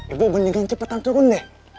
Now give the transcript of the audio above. ibu mendingan cepatan turun deh